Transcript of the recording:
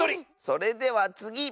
それではつぎ！